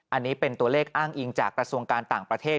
อันนี้เป็นตัวเลขอ้างอิงจากกระทรวงการต่างประเทศ